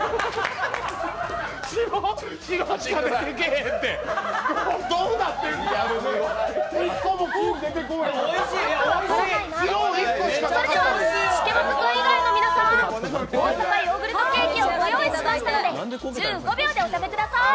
それでは吸殻君以外の皆さん、大阪ヨーグルトケーキをご用意しましたので１５秒でお食べください。